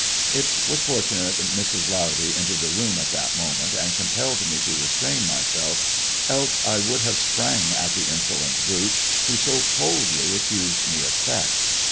It was fortunate that Mrs. Ldwdy entered the room at that moment, and compelled me to restrain myself, else I should have sprang on the insolent brute, who so coldly accused me of theft.